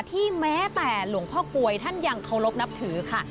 แม้แต่หลวงพ่อกลวยท่านยังเคารพนับถือค่ะ